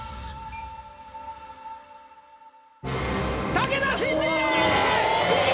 武田真治！